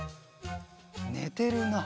ねてるな。